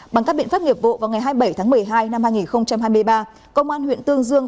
bằng các biện pháp nghiệp vụ vào ngày hai mươi bảy tháng một mươi hai năm hai nghìn hai mươi ba công an huyện tương dương